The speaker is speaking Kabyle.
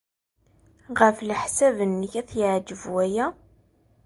Ɣef leḥsab-nnek, ad t-yeɛjeb waya?